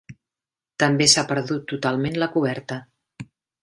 També s'ha perdut totalment la coberta.